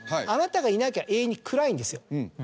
あなたがいなきゃ永遠に昏いんですよ。